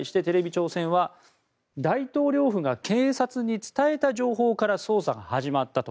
朝鮮は大統領府が警察に伝えた情報から捜査が始まったと。